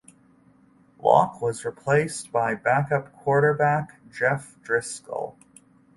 Lock was replaced by backup quarterback Jeff Driskel.